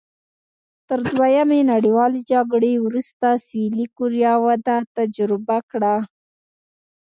تر دویمې نړیوالې جګړې وروسته سوېلي کوریا وده تجربه کړه.